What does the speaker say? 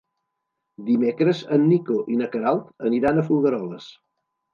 Dimecres en Nico i na Queralt aniran a Folgueroles.